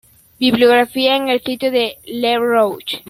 Bibliografía en el sitio Ile Rouge